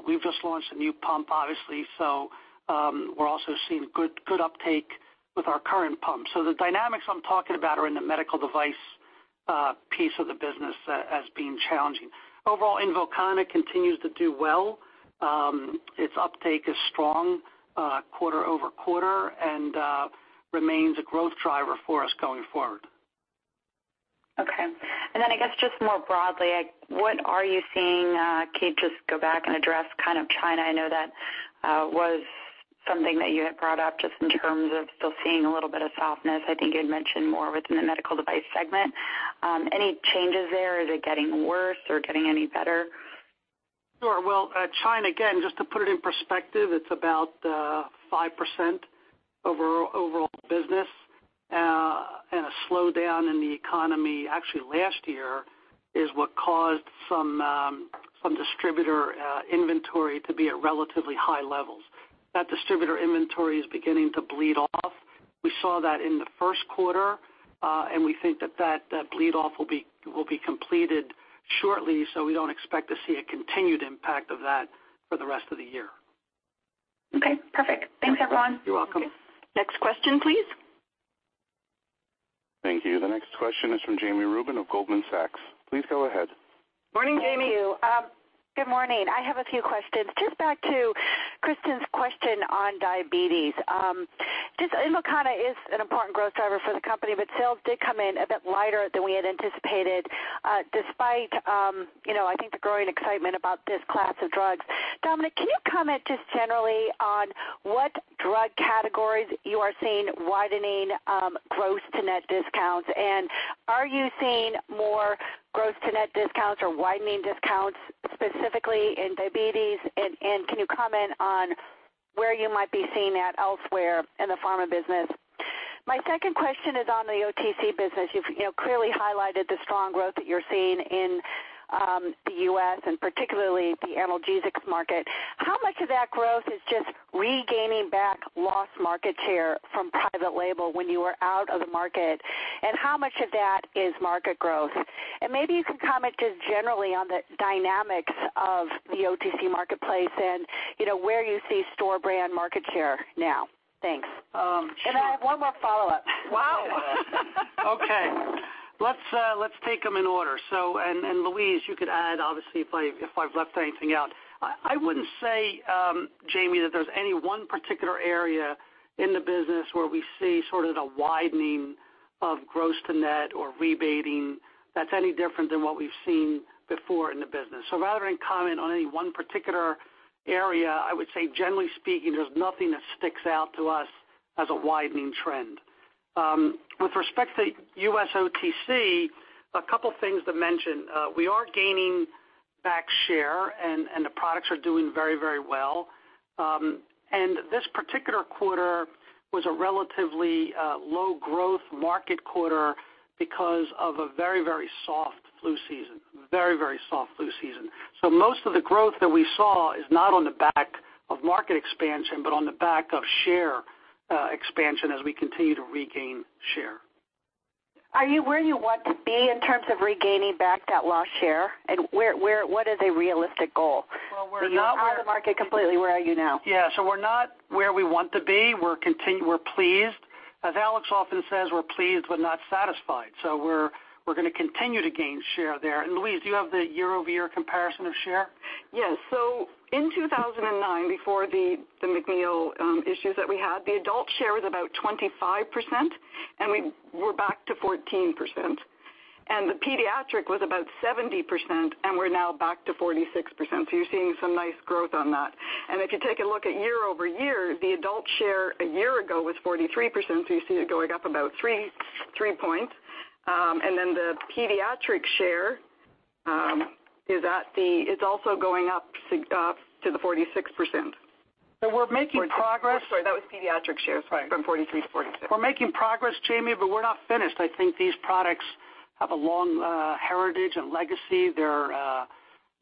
We've just launched a new pump, obviously, so we're also seeing good uptake with our current pump. The dynamics I'm talking about are in the medical device piece of the business as being challenging. Overall, INVOKANA continues to do well. Its uptake is strong quarter-over-quarter and remains a growth driver for us going forward. Okay. I guess just more broadly, what are you seeing? Can you just go back and address China? I know that was something that you had brought up just in terms of still seeing a little bit of softness. I think you'd mentioned more within the medical device segment. Any changes there? Is it getting worse or getting any better? Sure. Well, China, again, just to put it in perspective, it's about 5% of our overall business. A slowdown in the economy, actually last year, is what caused some distributor inventory to be at relatively high levels. That distributor inventory is beginning to bleed off. We saw that in the first quarter, and we think that bleed-off will be completed shortly, we don't expect to see a continued impact of that for the rest of the year. Okay, perfect. Thanks, everyone. You're welcome. Next question, please. Thank you. The next question is from Jami Rubin of Goldman Sachs. Please go ahead. Morning, Jami. Thank you. Good morning. I have a few questions. Just back to Kristen's question on diabetes. INVOKANA is an important growth driver for the company, but sales did come in a bit lighter than we had anticipated, despite I think the growing excitement about this class of drugs. Dominic, can you comment just generally on what drug categories you are seeing widening gross-to-net discounts? Are you seeing more gross-to-net discounts or widening discounts specifically in diabetes? Can you comment on where you might be seeing that elsewhere in the pharma business? My second question is on the OTC business. You've clearly highlighted the strong growth that you're seeing in the U.S. and particularly the analgesics market. How much of that growth is just regaining back lost market share from private label when you were out of the market? How much of that is market growth? Maybe you can comment just generally on the dynamics of the OTC marketplace and where you see store brand market share now. Thanks. Sure. I have one more follow-up. Wow. Okay. Let's take them in order. Louise, you could add, obviously, if I've left anything out. I wouldn't say, Jami, that there's any one particular area in the business where we see sort of a widening of gross to net or rebating that's any different than what we've seen before in the business. Rather than comment on any one particular area, I would say generally speaking, there's nothing that sticks out to us as a widening trend. With respect to U.S. OTC, a couple things to mention. We are gaining back share, and the products are doing very well. This particular quarter was a relatively low growth market quarter because of a very soft flu season. Most of the growth that we saw is not on the back of market expansion, but on the back of share expansion as we continue to regain share. Are you where you want to be in terms of regaining back that lost share? What is a realistic goal? Well, we're not where- You own the market completely. Where are you now? Yeah. We're not where we want to be. We're pleased. As Alex often says, we're pleased, but not satisfied. We're going to continue to gain share there. Louise, you have the year-over-year comparison of share? Yes. In 2009, before the McNeil issues that we had, the adult share was about 25%, and we're back to 14%. The pediatric was about 70%, and we're now back to 46%. You're seeing some nice growth on that. If you take a look at year-over-year, the adult share a year ago was 43%, you see it going up about three points. The pediatric share is also going up to the 46%. We're making progress. Sorry, that was pediatric shares. Right from 43 to 46. We're making progress, Jami, but we're not finished. I think these products have a long heritage and legacy. They're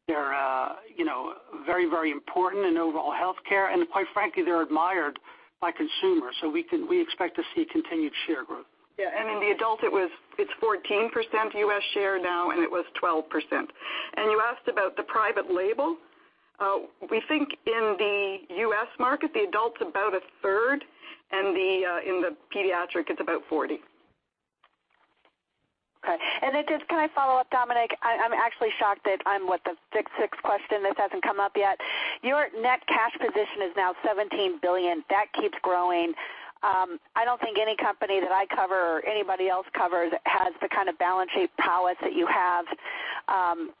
very important in overall healthcare. Quite frankly, they're admired by consumers, we expect to see continued share growth. Yeah. In the adult, it's 14% U.S. share now, and it was 12%. You asked about the private label. We think in the U.S. market, the adult's about a third, and in the pediatric, it's about 40. Okay. Then just can I follow up, Dominic? I'm actually shocked that I'm what, the sixth question, this hasn't come up yet. Your net cash position is now $17 billion. That keeps growing. I don't think any company that I cover or anybody else covers has the kind of balance sheet prowess that you have,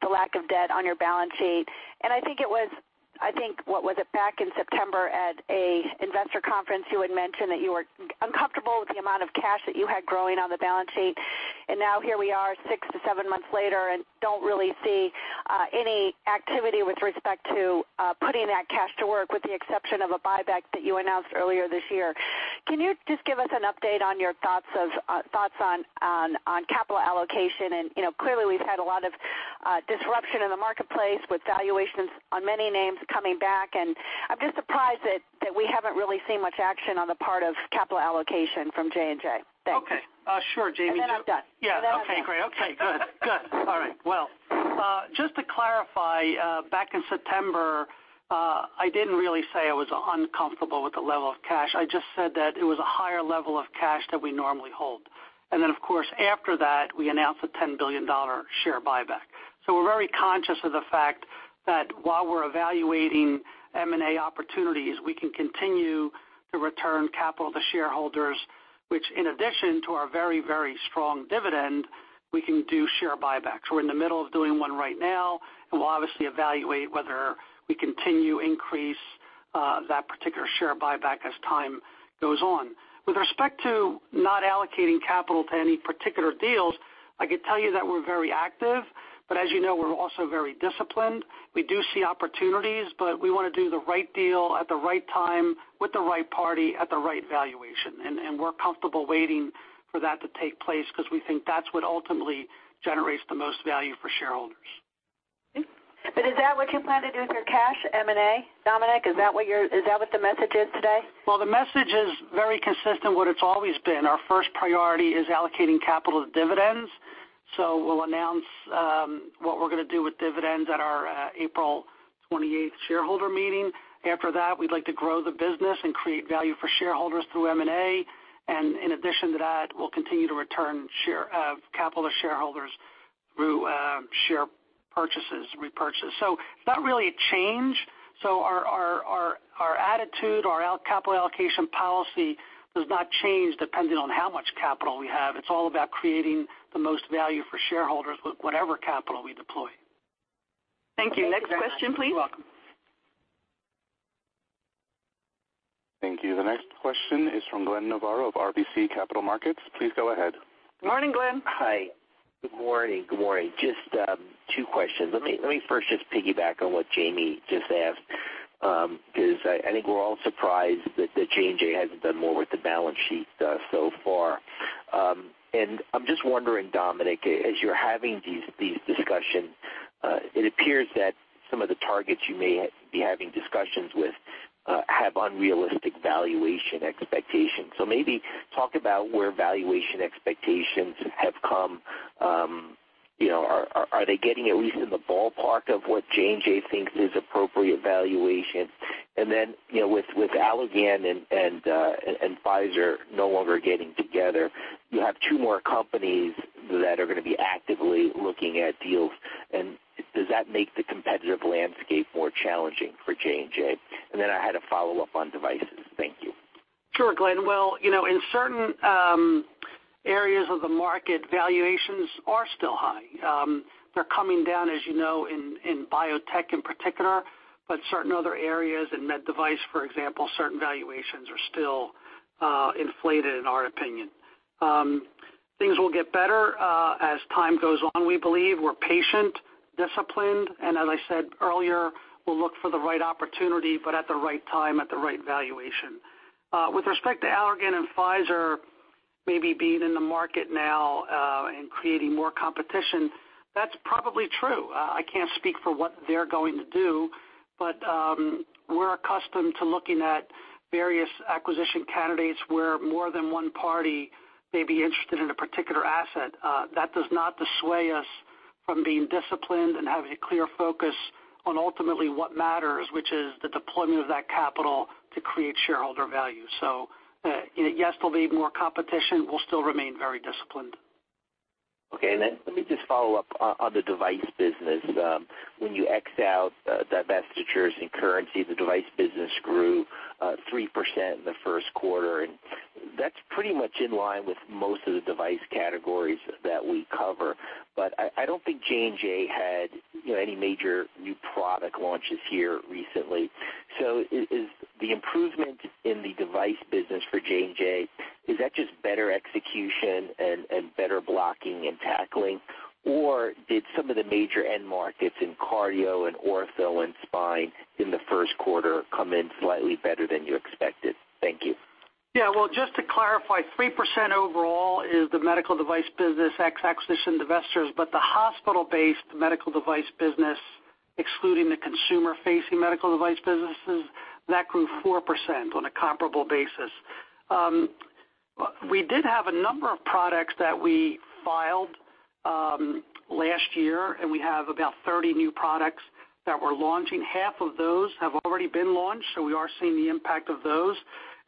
the lack of debt on your balance sheet. I think it was, I think, what was it? Back in September at an investor conference, you had mentioned that you were uncomfortable with the amount of cash that you had growing on the balance sheet. Now here we are six to seven months later and don't really see any activity with respect to putting that cash to work with the exception of a buyback that you announced earlier this year. Can you just give us an update on your thoughts on capital allocation? Clearly, we've had a lot of disruption in the marketplace with valuations on many names coming back, and I'm just surprised that we haven't really seen much action on the part of capital allocation from J&J. Thanks. Okay. Sure, Jami. Then I'm done. Yeah. Okay, great. Okay, good. All right. Well, to clarify, back in September, I didn't really say I was uncomfortable with the level of cash. I just said that it was a higher level of cash than we normally hold. Then, of course, after that, we announced a $10 billion share buyback. We're very conscious of the fact that while we're evaluating M&A opportunities, we can continue to return capital to shareholders, which in addition to our very, very strong dividend, we can do share buybacks. We're in the middle of doing one right now, and we'll obviously evaluate whether we continue increase that particular share buyback as time goes on. With respect to not allocating capital to any particular deals, I could tell you that we're very active, but as you know, we're also very disciplined. We do see opportunities, we want to do the right deal at the right time with the right party at the right valuation. We're comfortable waiting for that to take place because we think that's what ultimately generates the most value for shareholders. Is that what you plan to do with your cash, M&A? Dominic, is that what the message is today? Well, the message is very consistent with what it's always been. Our first priority is allocating capital as dividends. We'll announce what we're going to do with dividends at our April 28th shareholder meeting. After that, we'd like to grow the business and create value for shareholders through M&A. In addition to that, we'll continue to return capital to shareholders through share purchases, repurchase. It's not really a change. Our attitude, our capital allocation policy does not change depending on how much capital we have. It's all about creating the most value for shareholders with whatever capital we deploy. Thank you. Next question, please. You're welcome. Thank you. The next question is from Glenn Novarro of RBC Capital Markets. Please go ahead. Good morning, Glenn. Hi. Good morning. Just two questions. Let me first just piggyback on what Jami just asked, because I think we're all surprised that J&J hasn't done more with the balance sheet so far. I'm just wondering, Dominic, as you're having these discussions, it appears that some of the targets you may be having discussions with have unrealistic valuation expectations. Maybe talk about where valuation expectations have come. Are they getting at least in the ballpark of what J&J thinks is appropriate valuation? Then, with Allergan and Pfizer no longer getting together, you have two more companies that are going to be actively looking at deals. Does that make the competitive landscape more challenging for J&J? Then I had a follow-up on devices. Thank you. Sure, Glenn. Well, in certain areas of the market, valuations are still high. They're coming down, as you know, in biotech in particular, but certain other areas in med device, for example, certain valuations are still inflated in our opinion. Things will get better as time goes on, we believe. We're patient, disciplined, and as I said earlier, we'll look for the right opportunity, but at the right time, at the right valuation. With respect to Allergan and Pfizer maybe being in the market now and creating more competition, that's probably true. I can't speak for what they're going to do, but we're accustomed to looking at various acquisition candidates where more than one party may be interested in a particular asset. That does not dissuade us from being disciplined and having a clear focus on ultimately what matters, which is the deployment of that capital to create shareholder value. Yes, there'll be more competition. We'll still remain very disciplined. Okay, let me just follow up on the device business. When you X out divestitures and currency, the device business grew 3% in the first quarter, and that's pretty much in line with most of the device categories that we cover. I don't think J&J had any major new product launches here recently. Is the improvement in the device business for J&J, is that just better execution and better blocking and tackling? Or did some of the major end markets in cardio and ortho and spine in the first quarter come in slightly better than you expected? Thank you. Well, just to clarify, 3% overall is the medical device business ex acquisitions and divestitures, but the hospital-based medical device business, excluding the consumer-facing medical device businesses, that grew 4% on a comparable basis. We did have a number of products that we filed last year, we have about 30 new products that we're launching. Half of those have already been launched, so we are seeing the impact of those.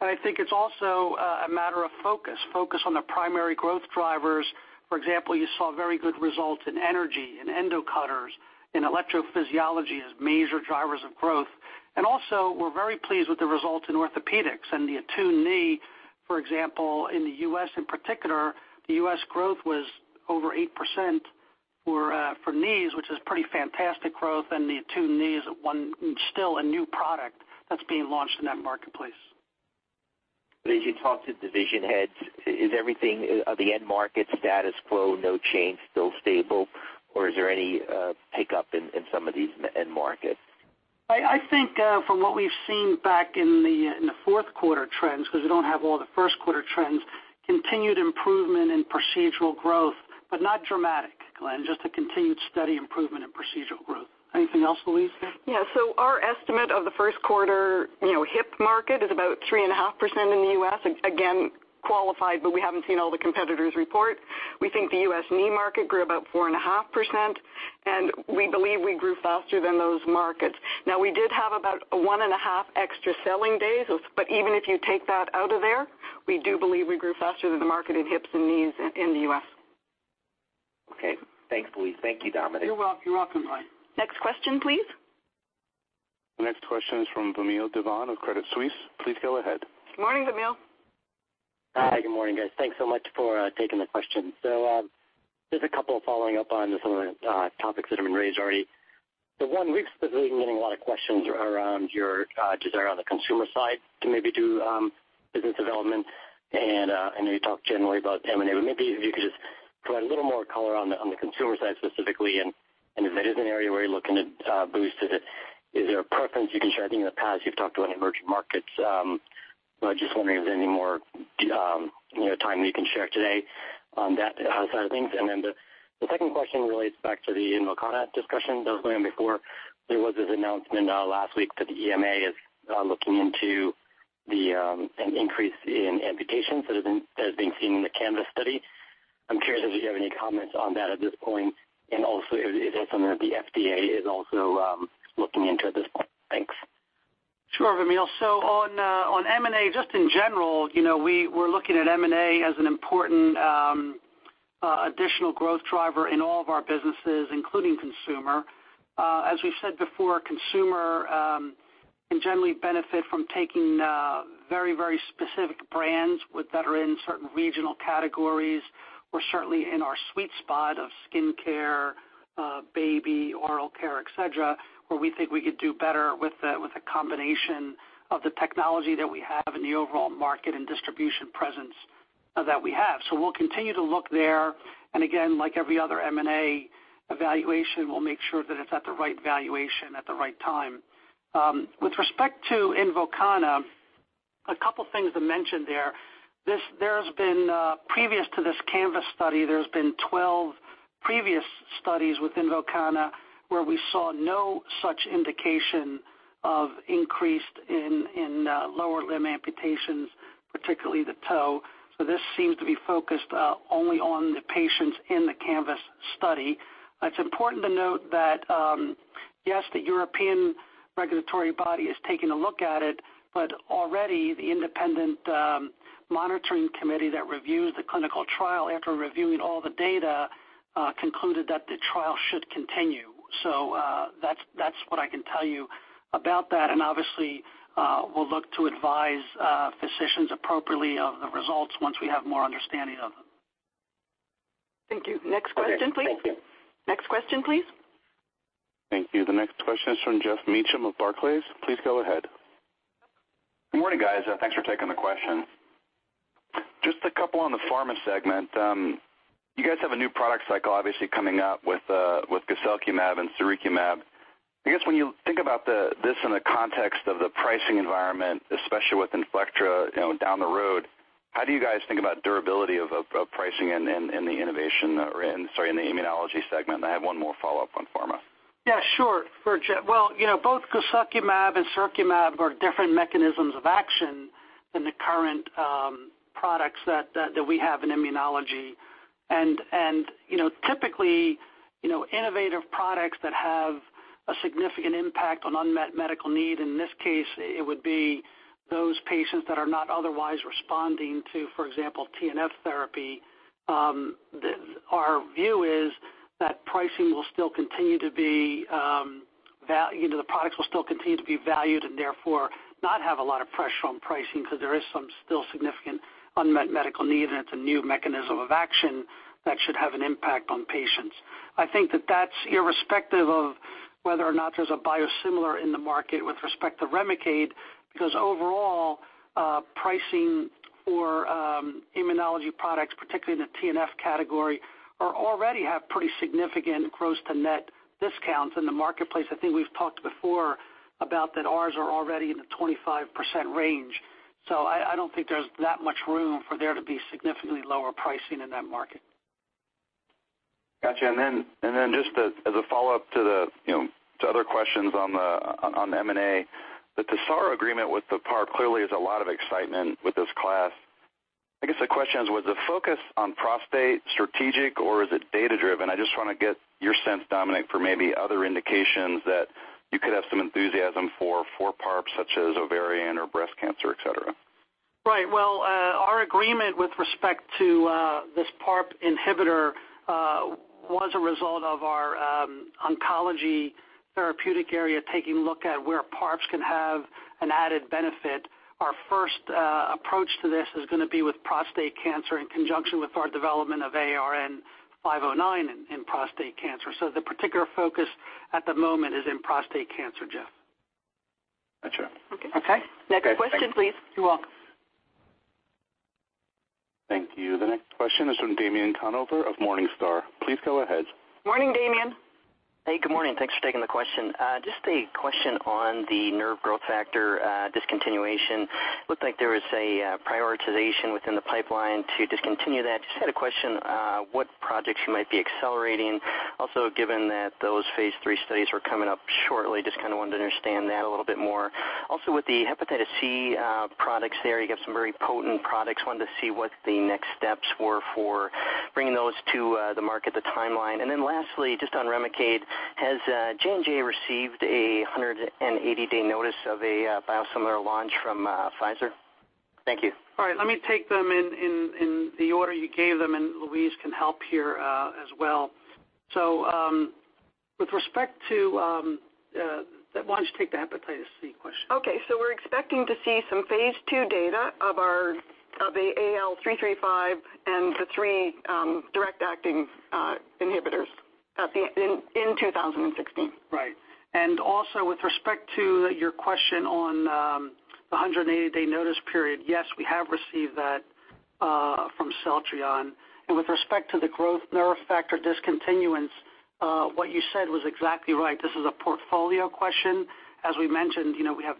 I think it's also a matter of focus. Focus on the primary growth drivers. For example, you saw very good results in energy, in Endocutters, in electrophysiology as major drivers of growth. Also, we're very pleased with the results in orthopedics and the ATTUNE knee, for example, in the U.S. in particular, the U.S. growth was over 8% for knees, which is pretty fantastic growth. The ATTUNE knee is still a new product that's being launched in that marketplace. As you talk to division heads, is everything at the end market status quo, no change, still stable? Or is there any pickup in some of these end markets? I think from what we've seen back in the fourth quarter trends, because we don't have all the first quarter trends, continued improvement in procedural growth, not dramatic, Glenn, just a continued steady improvement in procedural growth. Anything else, Louise? Yeah, our estimate of the first quarter hip market is about 3.5% in the U.S. Again, qualified, but we haven't seen all the competitors report. We think the U.S. knee market grew about 4.5%, and we believe we grew faster than those markets. Now, we did have about one and a half extra selling days, but even if you take that out of there, we do believe we grew faster than the market in hips and knees in the U.S. Okay. Thanks, Louise. Thank you, Dominic. You're welcome, Glenn. Next question, please. The next question is from Vamil Divan of Credit Suisse. Please go ahead. Good morning, Vamil. Hi, good morning, guys. Thanks so much for taking the question. Just a couple following up on some of the topics that have been raised already. One, we've specifically been getting a lot of questions around your desire on the consumer side to maybe do business development. I know you talked generally about M&A, but maybe if you could just provide a little more color on the consumer side specifically, and if that is an area where you're looking at boosts, is there a preference you can share? I think in the past you've talked about emerging markets. I'm just wondering if there's any more time that you can share today on that side of things. Then the second question relates back to the INVOKANA discussion that was going on before. There was this announcement last week that the EMA is looking into an increase in amputations that has been seen in the CANVAS study. I'm curious if you have any comments on that at this point, and also if that's something that the FDA is also looking into at this point. Thanks. Sure, Vamil. On M&A, just in general, we're looking at M&A as an important additional growth driver in all of our businesses, including consumer. As we've said before, consumer can generally benefit from taking very specific brands that are in certain regional categories or certainly in our sweet spot of skin care, baby, oral care, et cetera, where we think we could do better with a combination of the technology that we have and the overall market and distribution presence that we have. We'll continue to look there. Again, like every other M&A evaluation, we'll make sure that it's at the right valuation at the right time. With respect to INVOKANA, a couple things to mention there. Previous to this CANVAS study, there's been 12 previous studies with INVOKANA where we saw no such indication of increased in lower limb amputations, particularly the toe. This seems to be focused only on the patients in the CANVAS study. It's important to note that, yes, the European regulatory body is taking a look at it, already the independent monitoring committee that reviews the clinical trial, after reviewing all the data, concluded that the trial should continue. That's what I can tell you about that, and obviously, we'll look to advise physicians appropriately of the results once we have more understanding of them. Thank you. Next question, please. Okay, thank you. Next question, please. Thank you. The next question is from Geoff Meacham of Barclays. Please go ahead. Good morning, guys. Thanks for taking the question. Just a couple on the pharma segment. You guys have a new product cycle, obviously coming up with guselkumab and sirukumab. I guess when you think about this in the context of the pricing environment, especially with INFLECTRA down the road, how do you guys think about durability of pricing in the innovation or in, sorry, in the immunology segment? I have one more follow-up on pharma. Yeah, sure. For Geoff. Well, both guselkumab and sirukumab are different mechanisms of action than the current products that we have in immunology. Typically, innovative products that have a significant impact on unmet medical need, in this case, it would be those patients that are not otherwise responding to, for example, TNF therapy. Our view is that pricing will still continue to be, the products will still continue to be valued and therefore not have a lot of pressure on pricing because there is some still significant unmet medical need, and it's a new mechanism of action that should have an impact on patients. I think that that's irrespective of whether or not there's a biosimilar in the market with respect to REMICADE, because overall, pricing for immunology products, particularly in the TNF category, already have pretty significant gross to net discounts in the marketplace. I think we've talked before about that ours are already in the 25% range. I don't think there's that much room for there to be significantly lower pricing in that market. Got you. Just as a follow-up to other questions on the M&A. The TESARO agreement with the PARP clearly is a lot of excitement with this class. I guess the question is, was the focus on prostate strategic or is it data-driven? I just want to get your sense, Dominic, for maybe other indications that you could have some enthusiasm for PARP, such as ovarian or breast cancer, et cetera. Right. Well, our agreement with respect to this PARP inhibitor was a result of our oncology therapeutic area taking a look at where PARPs can have an added benefit. Our first approach to this is going to be with prostate cancer in conjunction with our development of ARN-509 in prostate cancer. The particular focus at the moment is in prostate cancer, Geoff. Got you. Okay. Okay? Next question, please. You're welcome. Thank you. The next question is from Damien Conover of Morningstar. Please go ahead. Morning, Damien. Hey, good morning. Thanks for taking the question. Just a question on the nerve growth factor discontinuation. Looked like there was a prioritization within the pipeline to discontinue that. Just had a question, projects you might be accelerating. Given that those phase III studies are coming up shortly, just wanted to understand that a little bit more. With the hepatitis C products there, you got some very potent products. Wanted to see what the next steps were for bringing those to the market, the timeline. Lastly, just on REMICADE, has J&J received a 180-day notice of a biosimilar launch from Pfizer? Thank you. All right. Let me take them in the order you gave them, and Louise can help here as well. Why don't you take the hepatitis C question? Okay, we're expecting to see some phase II data of the AL-335 and the three direct acting inhibitors in 2016. Right. With respect to your question on the 180-day notice period, yes, we have received that from Celltrion. With respect to the growth nerve factor discontinuance, what you said was exactly right. This is a portfolio question. As we mentioned, we have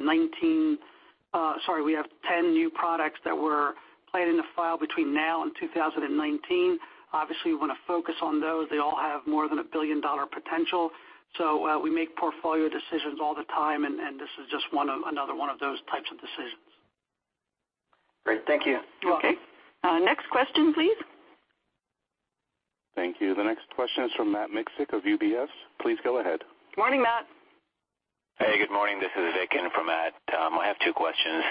sorry, we have 10 new products that were planned in the file between now and 2019. Obviously, we want to focus on those. They all have more than a billion-dollar potential. We make portfolio decisions all the time, and this is just another one of those types of decisions. Great. Thank you. You're welcome. Okay. Next question, please. Thank you. The next question is from Matt Miksic of UBS. Please go ahead. Morning, Matt. Hey, good morning. This is Vic in for Matt. I have two questions.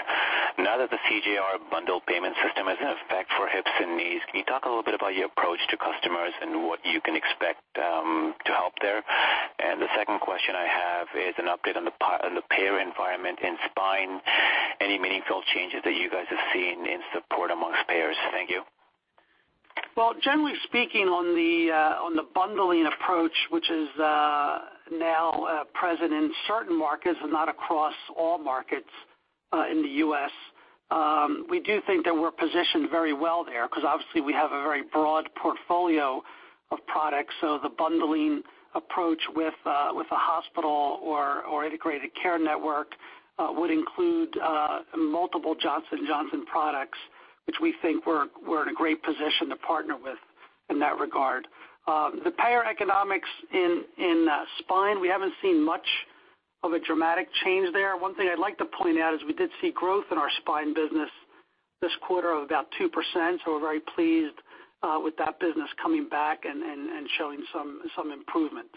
Now that the CJR bundled payment system is in effect for hips and knees, can you talk a little bit about your approach to customers and what you can expect to help there? The second question I have is an update on the payer environment in spine. Any meaningful changes that you guys have seen in support amongst payers? Thank you. Well, generally speaking on the bundling approach, which is now present in certain markets and not across all markets in the U.S., we do think that we're positioned very well there because obviously we have a very broad portfolio of products. The bundling approach with a hospital or integrated care network would include multiple Johnson & Johnson products, which we think we're in a great position to partner with in that regard. The payer economics in spine, we haven't seen much of a dramatic change there. One thing I'd like to point out is we did see growth in our spine business this quarter of about 2%. We're very pleased with that business coming back and showing some improvement.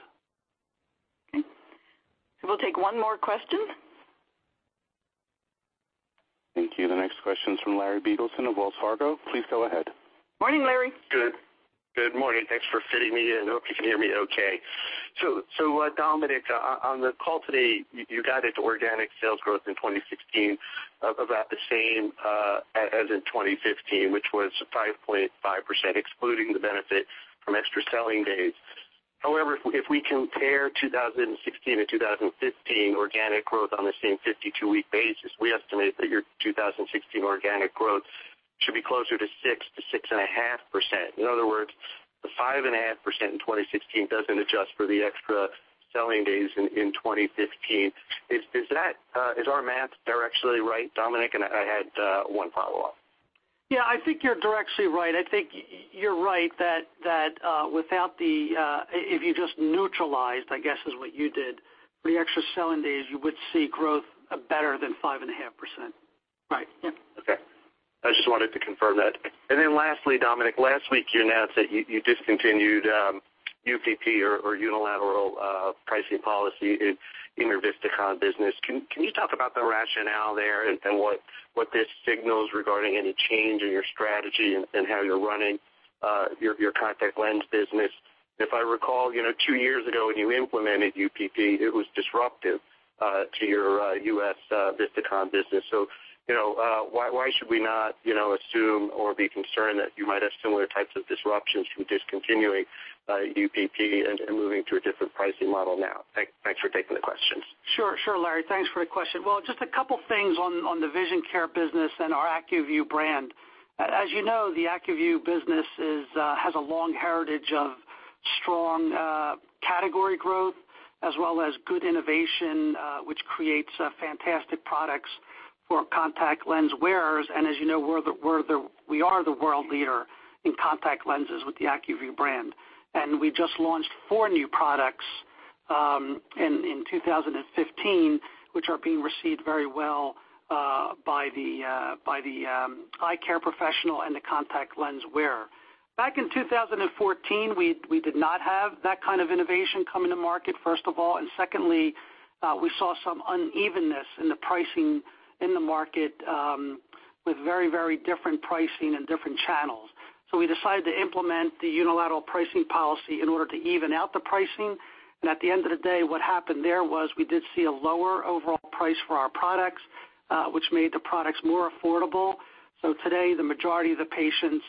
Okay. We'll take one more question. Thank you. The next question is from Larry Biegelsen of Wells Fargo. Please go ahead. Morning, Larry. Good morning. Thanks for fitting me in. I hope you can hear me okay. Dominic, on the call today, you guided organic sales growth in 2016 of about the same as in 2015, which was 5.5%, excluding the benefit from extra selling days. However, if we compare 2016 to 2015 organic growth on the same 52-week basis, we estimate that your 2016 organic growth should be closer to 6%-6.5%. In other words, the 5.5% in 2016 doesn't adjust for the extra selling days in 2015. Is our math directionally right, Dominic? I had one follow-up. Yeah, I think you're directionally right. I think you're right that if you just neutralized, I guess is what you did, the extra selling days, you would see growth better than 5.5%. Right. Yeah. Okay. I just wanted to confirm that. Lastly, Dominic, last week you announced that you discontinued UPP or unilateral pricing policy in your Vistakon business. Can you talk about the rationale there and what this signals regarding any change in your strategy and how you're running your contact lens business? If I recall, two years ago when you implemented UPP, it was disruptive to your U.S. Vistakon business. Why should we not assume or be concerned that you might have similar types of disruptions from discontinuing UPP and moving to a different pricing model now? Thanks for taking the questions. Sure, Larry, thanks for the question. Just a couple things on the vision care business and our ACUVUE brand. As you know, the ACUVUE business has a long heritage of strong category growth as well as good innovation, which creates fantastic products for contact lens wearers. As you know, we are the world leader in contact lenses with the ACUVUE brand. We just launched four new products in 2015, which are being received very well by the eye care professional and the contact lens wearer. Back in 2014, we did not have that kind of innovation coming to market, first of all. Secondly, we saw some unevenness in the pricing in the market with very, very different pricing and different channels. We decided to implement the unilateral pricing policy in order to even out the pricing. At the end of the day, what happened there was we did see a lower overall price for our products, which made the products more affordable. Today, the majority of the patients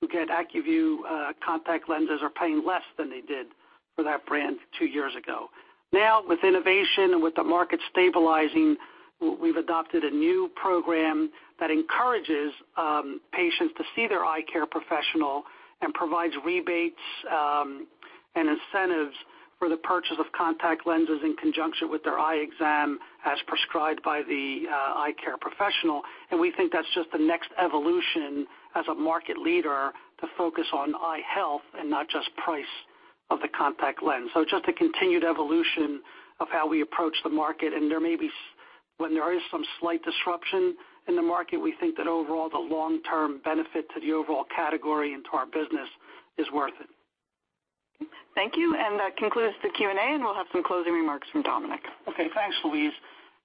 who get ACUVUE contact lenses are paying less than they did for that brand two years ago. Now, with innovation and with the market stabilizing, we've adopted a new program that encourages patients to see their eye care professional and provides rebates and incentives for the purchase of contact lenses in conjunction with their eye exam as prescribed by the eye care professional. We think that's just the next evolution as a market leader to focus on eye health and not just price of the contact lens. Just a continued evolution of how we approach the market. When there is some slight disruption in the market, we think that overall, the long-term benefit to the overall category and to our business is worth it. Thank you. That concludes the Q&A. We'll have some closing remarks from Dominic. Okay. Thanks, Louise.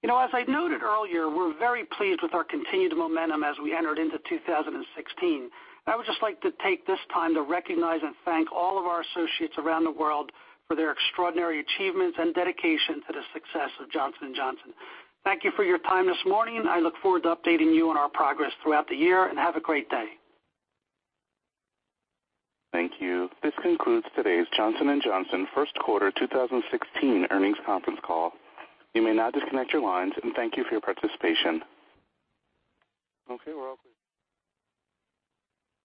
As I noted earlier, we're very pleased with our continued momentum as we entered into 2016. I would just like to take this time to recognize and thank all of our associates around the world for their extraordinary achievements and dedication to the success of Johnson & Johnson. Thank you for your time this morning. I look forward to updating you on our progress throughout the year. Have a great day. Thank you. This concludes today's Johnson & Johnson first quarter 2016 earnings conference call. You may now disconnect your lines. Thank you for your participation. Okay, we're all clear.